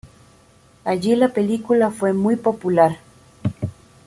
Allí la película fue muy popular.